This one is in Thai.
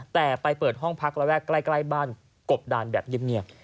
แต่ไปเปิดห้องพักระแวกใกล้บ้านกบดานแบบเงียบ